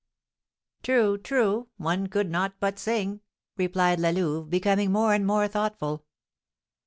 "True, true; one could not but sing," replied La Louve, becoming more and more thoughtful.